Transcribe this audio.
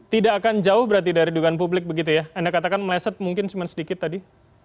tidak akan jauh berarti dari dugaan publik begitu ya anda katakan meleset mungkin cuma sedikit tadi